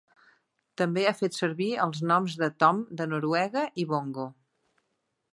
També ha fet servir els noms de Tom de Noruega i Bongo.